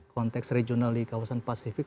konteks regional di kawasan pasifik